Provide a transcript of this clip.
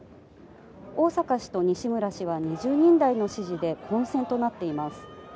逢坂氏と西村氏は２０人台の支持で混戦となっています。